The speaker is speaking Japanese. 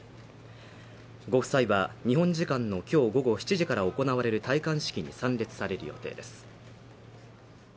ご夫妻は、日本時間の今日午後７時から行われる戴冠式に参列される予定です。